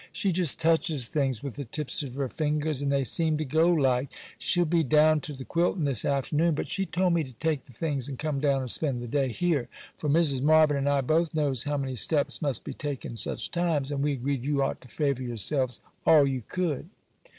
She just touches things with the tips of her fingers and they seem to go like. She'll be down to the quiltin' this afternoon. But she told me to take the things and come down and spend the day here; for Mrs. Marvyn and I both knows how many steps must be taken such times, and we agreed you ought to favour yourselves all you could.